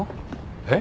えっ？